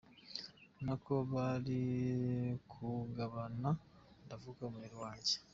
Nako bari kuwugabanaaaa ndavuga umubiri wanjye.